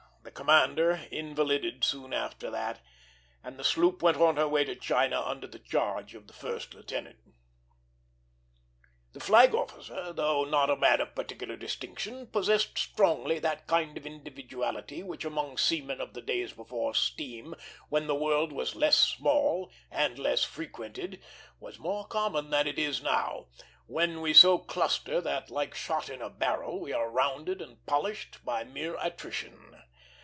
The commander invalided soon after, and the sloop went on her way to China under the charge of the first lieutenant. The flag officer, though not a man of particular distinction, possessed strongly that kind of individuality which among seamen of the days before steam, when the world was less small and less frequented, was more common than it is now, when we so cluster that, like shot in a barrel, we are rounded and polished by mere attrition.